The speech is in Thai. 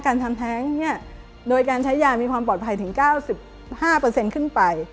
การทำแท้งโดยการใช้ยามีความปลอดภัยถึง๙๕ขึ้นไป